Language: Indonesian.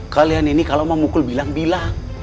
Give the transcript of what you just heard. kalian ini kalau mau mukul bilang bilang